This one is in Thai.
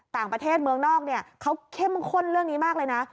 ต่างประเทศเมืองนอกเนี่ยเขาเข้มข้นเรื่องนี้มากเลยนะ